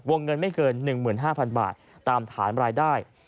เงินไม่เกิน๑๕๐๐๐บาทตามฐานรายได้